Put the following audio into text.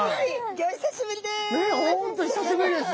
ギョ久しぶりです！